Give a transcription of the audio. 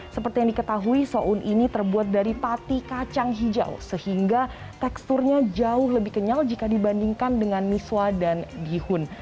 seperti yang diketahui soun ⁇ ini terbuat dari pati kacang hijau sehingga teksturnya jauh lebih kenyal jika dibandingkan dengan misua dan bihun